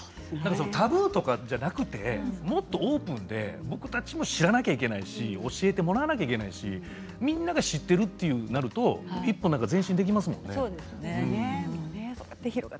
タブーとかじゃなくてもっとオープンで僕たちも知らなくちゃいけないし教えてもらわなくちゃいけないしみんなが知っているとなると一歩前進できますものね。